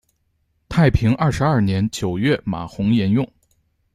太平二十二年九月冯弘沿用。